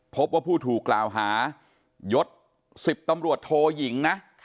พบว่าผู้ถูกกล่าวหายด๑๐ตำรวจโทยิงนะ